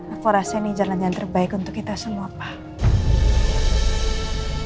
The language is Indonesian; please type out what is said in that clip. aku rasa ini jalan yang terbaik untuk kita semua pak